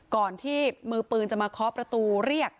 ก่อนที่มือปืนจะมาเคาะประตูเรียก